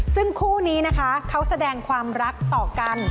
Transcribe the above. ซึ่งคู่นี้นะคะเขาแสดงความรักต่อกัน